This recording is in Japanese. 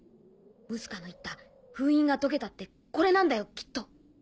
ムスカの言った「封印がとけた」ってこれなんだよきっと。